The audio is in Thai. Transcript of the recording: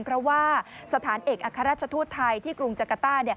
เพราะว่าสถานเอกอัครราชทูตไทยที่กรุงจักรต้า